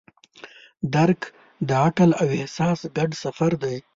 درک د عقل او احساس ګډ سفر دی.